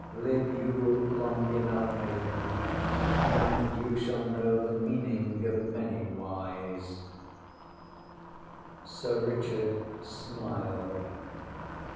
Live you long enough, maiden, and you shall know the meaning of many whys. ŌĆÖ Sir Richard smiled.